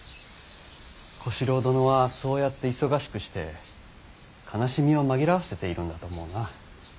小四郎殿はそうやって忙しくして悲しみを紛らわせているんだと思うな。